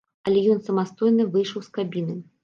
Але ён самастойна выйшаў з кабіны.